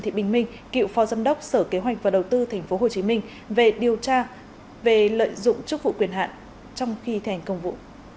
thị bình minh cựu phó giám đốc sở kế hoạch và đầu tư tp hcm về điều tra về lợi dụng chức vụ quyền hạn trong khi thành công vụ